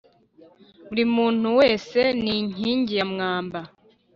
buri muntu wese ni inkingi ya mwamba